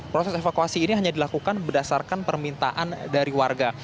proses evakuasi ini hanya dilakukan berdasarkan permintaan dari warga